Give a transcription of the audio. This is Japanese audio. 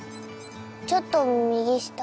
ちょっと右下。